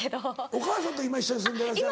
お母さんと今一緒に住んでらっしゃる？